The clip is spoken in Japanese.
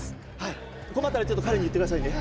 困ったらちょっと彼に言って下さいね。